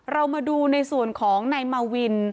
เรามาดูในส่วนของนายมาวิน